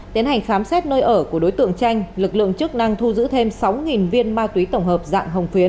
tiến hành khám xét nơi ở của đối tượng tranh lực lượng chức năng thu giữ thêm sáu viên ma túy tổng hợp dạng hồng phiến